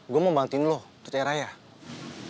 gue mau bantuin lo percaya ryan